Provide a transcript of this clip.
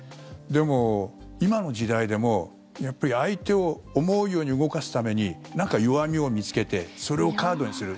でも、今の時代でも相手を思うように動かすためになんか弱みを見つけてそれをカードにする。